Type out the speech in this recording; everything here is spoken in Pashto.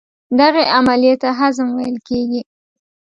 دغې عملیې ته هضم ویل کېږي.